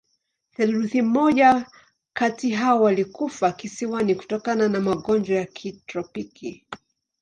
Theluji moja kati hao walikufa kisiwani kutokana na magonjwa ya kitropiki.